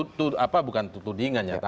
dengan apa bukan tutur dingin ya